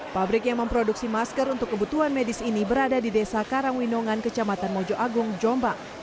pabrik yang memproduksi masker untuk kebutuhan medis ini berada di desa karangwinongan kecamatan mojo agung jombang